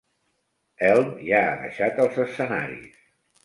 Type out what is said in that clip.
Helm ja ha deixat els escenaris.